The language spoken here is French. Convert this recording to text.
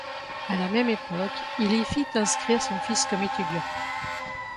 À la même époque, il y fit inscrire son fils comme étudiant.